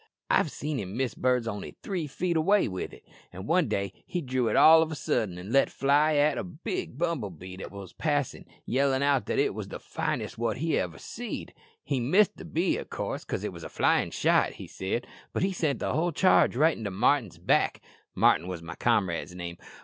I've seed him miss birds only three feet away with it. An' one day he drew it all of a suddent an' let fly at a big bum bee that wos passin', yellin' out that it wos the finest wot he had iver seed. He missed the bee, of coorse, 'cause it wos a flyin' shot, he said, but he sent the whole charge right into Martin's back Martin was my comrade's name.